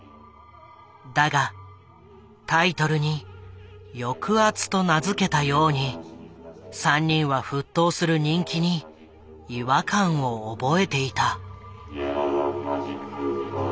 だがタイトルに「抑圧」と名付けたように３人は沸騰する人気に違和感を覚えていた。